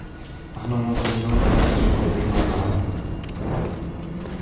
نحن ممتنون لك جدا لما فعلت.